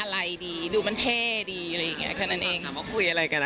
เราลงรูปแบบคุยกัน